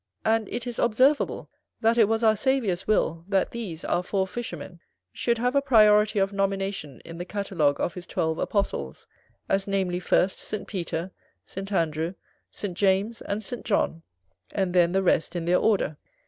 And it is observable, that it was our Saviour's will that these, our four fishermen, should have a priority of nomination in the catalogue of his twelve Apostles, as namely, first St. Peter, St. Andrew, St. James, and St. John; and, then, the rest in their order.